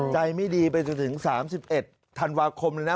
ใจไม่ดีไปจนถึง๓๑ธันวาคมเลยนะ